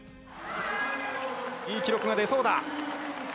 いい記録が出そうだ。